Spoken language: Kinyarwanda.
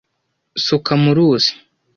suka mu ruzi